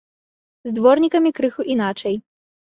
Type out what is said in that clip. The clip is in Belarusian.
З дворнікамі крыху іначай.